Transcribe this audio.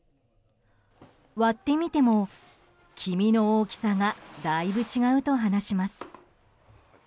割ってみても、黄身の大きさがだいぶ違うと話します。